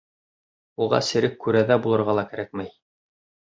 Уға серек күрәҙә булырға ла кәрәкмәй.